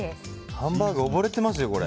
ハンバーグ、溺れてますよ。